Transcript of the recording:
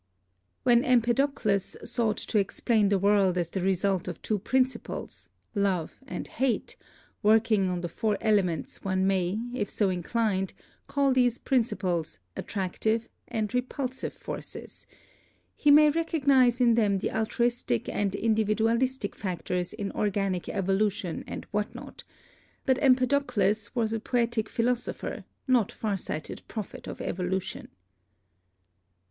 When Empedocles sought to explain the world as the result of two principles — love and hate — working on the four elements one may, if so inclined, call these principles "attractive and repulsive forces"; he may recognise in them the altruistic and individualistic factors in organic evolution and what not; but Empedocles was a poetic philosopher, no far sighted prophet of evolution.